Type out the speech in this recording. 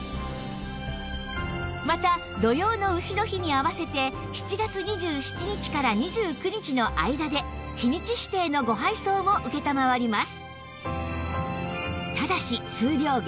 また土用の丑の日に合わせて７月２７日から２９日の間で日にち指定のご配送も承ります